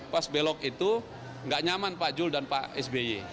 pas belok itu nggak nyaman pak jul dan pak sby